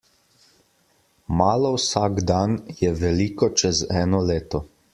Malo vsak dan je veliko čez eno leto.